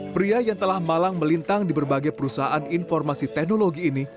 pria yang telah malang melintang di berbagai perusahaan informasi teknologi ini